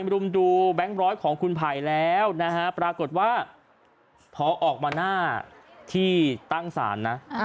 มาดูแบงก์๑๐๐ของคุณภัยแล้วนะฮะปรากฏว่าพอออกมาหน้าที่ตั้งสารนะอ่า